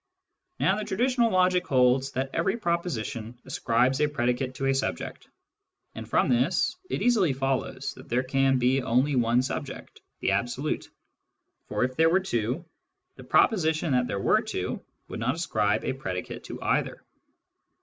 Now the traditional logic holds that every proposition ascribes a predicate to a subject, and from this it easily follows that there can be only one subject, the Absolute, for if there were two, the proposition that there were two would not ascribe a predicate to either.